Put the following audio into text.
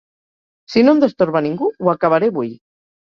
Si no em destorba ningú, ho acabaré avui.